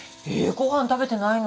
ご飯食べてないの？